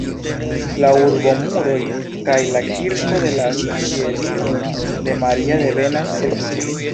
La urbomuroj kaj la kirko de la Ĉieliro de Maria devenas el gotiko.